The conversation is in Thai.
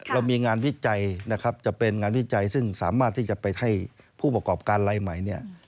เรามีงานวิจัยนะครับจะเป็นงานวิจัยซึ่งสามารถที่จะไปให้ผู้ประกอบการลายใหม่เนี่ย